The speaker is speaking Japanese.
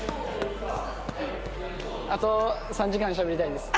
あと３時間しゃべりたいです。